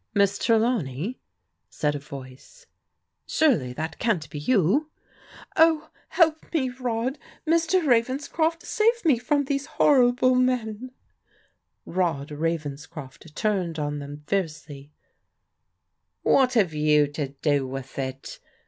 " Miss Trelawney," said a voice, surely that can't be you !"" Oh, help me. Rod— ^Mr. Ravenscroft — save me from Rod Ravenscroft turned on them fiercely. "What have you to do with it?"